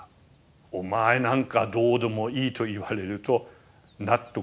「お前なんかどうでもいい」と言われると納得できないんですね。